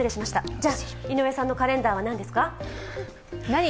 じゃあ、井上さんのカレンダーは何ですか？